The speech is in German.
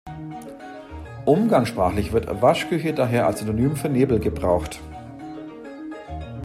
Umgangssprachlich wird "Waschküche" daher als Synonym für Nebel gebraucht.